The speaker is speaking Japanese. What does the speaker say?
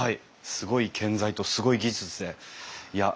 すごい建材とすごい技術でいや